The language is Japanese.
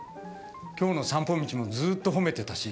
「京の散歩道」もずっと誉めてたし。